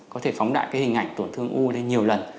có thể phóng đại cái hình ảnh tổn thương u lên nhiều lần